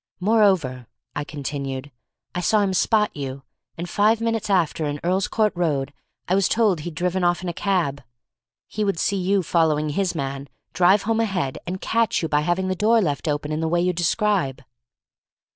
"Moreover," I continued, "I saw him spot you, and five minutes after in Earl's Court Road I was told he'd driven off in a cab. He would see you following his man, drive home ahead, and catch you by having the door left open in the way you describe."